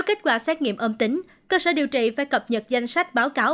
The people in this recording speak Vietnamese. kết quả xét nghiệm âm tính cơ sở điều trị phải cập nhật danh sách báo cáo